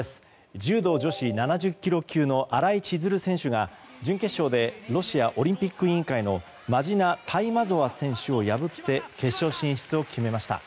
柔道女子７０ｋｇ級の新井千鶴選手が準決勝でロシアオリンピック委員会のマヂナ・タイマゾワ選手を破って決勝進出を決めました。